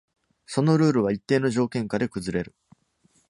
そのルールは一定の条件下で崩れる。